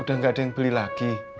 udah gak ada yang beli lagi